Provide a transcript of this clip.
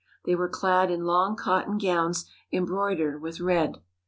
They were clad in long cotton gowns em broidered with red.